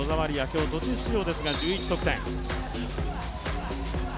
今日途中出場ですが１１得点。